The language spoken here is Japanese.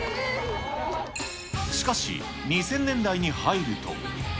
しかし２０００年代に入ると。